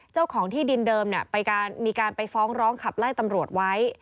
เจ้าของที่ดินเดิมมีการไปฟ้องร้องขับไล่ตำรวจไว้